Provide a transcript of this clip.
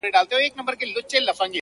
لږ ساړه خوره محتسبه څه دُره دُره ږغېږې,